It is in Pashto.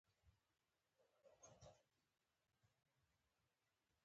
خو د دوی جګړه د پښتنو د پرمختګ او امن پر ضد ده.